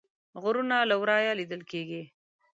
غرونه له ورایه لیدل کیږي